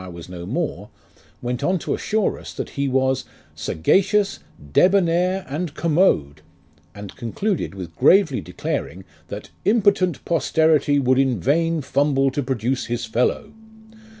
was no more, went on to assure us, that he was "saga cious, debonair, and commode ;" and concluded with gravely declaring, that " impotent posterity would in vain fumble to produce his fellow."